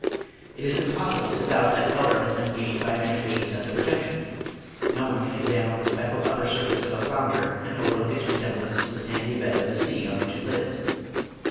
It is impossible to doubt that colour has been gained by many fishes as a protection: no one can examine the speckled upper surface of a flounder, and overlook its resemblance to the sandy bed of the sea on which it lives.